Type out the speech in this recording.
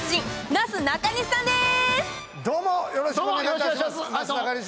なすなかにしです